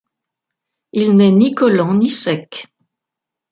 Il n'est ni collant ni sec.